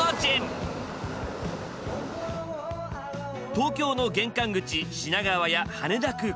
東京の玄関口品川や羽田空港